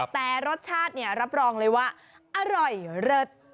แต่รสชาติเนี่ยรับรองเลยว่าอร่อยเลิศ